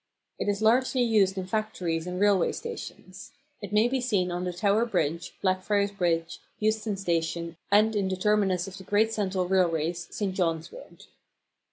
It is largely used in factories and railway stations. It may be seen on the Tower Bridge, Blackfriars Bridge, Euston Station, and in the terminus of the Great Central Railway, St. John's Wood.